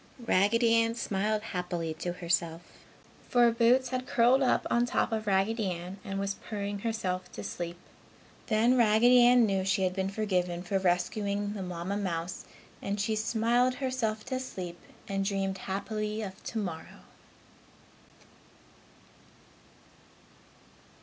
Raggedy Ann smiled happily to herself, for Boots had curled up on top of Raggedy Ann and was purring herself to sleep. Then Raggedy Ann knew she had been forgiven for rescuing the Mamma mouse and she smiled herself to sleep and dreamed happily of tomorrow.